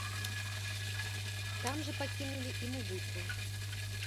Там жа пакінулі і музыку.